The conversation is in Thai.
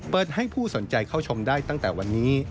เปิดให้ผู้สนใจเข้าชมได้ตั้งแต่วันนี้